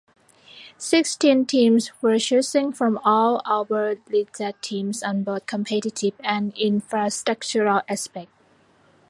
Sixteen teams were chosen from all Oberliga teams on both competitive and infrastructural aspects.